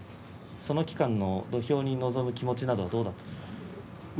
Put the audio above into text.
その期間の土俵に臨む気持ちはどうだったですか。